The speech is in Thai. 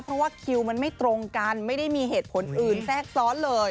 เพราะว่าคิวมันไม่ตรงกันไม่ได้มีเหตุผลอื่นแทรกซ้อนเลย